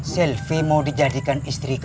selvi mau dijadikan istriku